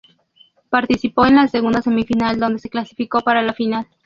Participó en la segunda semifinal, donde se clasificó para la final.